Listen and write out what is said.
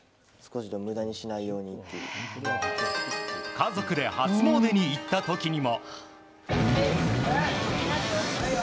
家族で初詣に行った時にも。